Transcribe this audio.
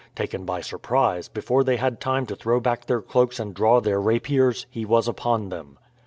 Taken by surprise, before they had time to throw back their cloaks and draw their rapiers, he was upon them.